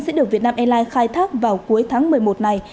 sẽ được việt nam airlines khai thác vào cuối tháng một mươi một này